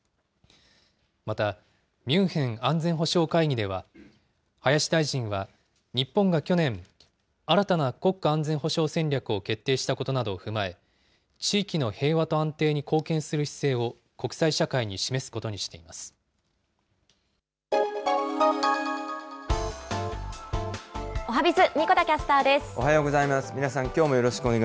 また、ミュンヘン安全保障会議では、林大臣は日本が去年、新たな国家安全保障戦略を決定したことなどを踏まえ、地域の平和と安定に貢献する姿勢を国際社会に示すことにしています。